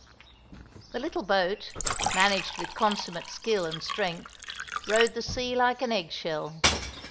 The little boat, managed with consummate skill and strength, rode the sea like an egg shell.